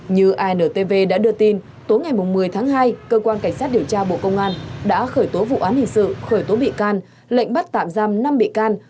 như intv đã đưa tin tối ngày một mươi tháng hai cơ quan cảnh sát điều tra bộ công an đã khởi tố vụ án hình sự khởi tố bị can lệnh bắt tạm giam năm bị can